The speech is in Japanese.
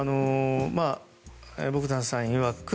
ボグダンさんいわく